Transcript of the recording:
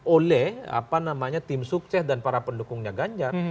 oleh apa namanya tim sukses dan para pendukungnya ganjar